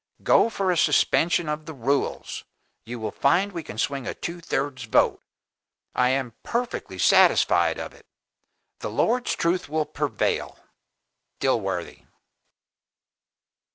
Go for a suspension of the rules! You will find we can swing a two thirds vote I am perfectly satisfied of it. The Lord's truth will prevail. "DILWORTHY.